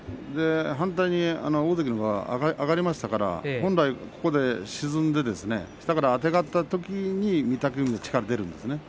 大関は上がりましたから本来ここで沈んで下からあてがったときに御嶽海は力が出るんですね。